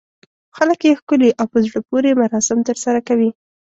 خلک یې ښکلي او په زړه پورې مراسم ترسره کوي.